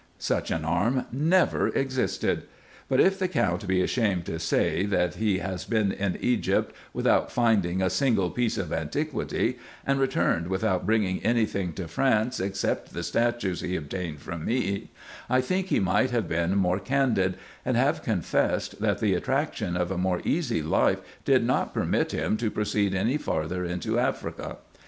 Such an arm never existed. But if 254 RESEARCHES AND OPERATIONS the Count be ashamed to say, that he has been in Egypt without finding a single piece of antiquity, and returned without bringing any thing to France except the statues he obtained from me, I think he might have been more candid, and have confessed, that the attraction of a more easy life did not permit him to proceed any farther into Africa.